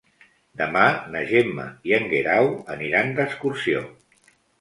Demà na Gemma i en Guerau aniran d'excursió.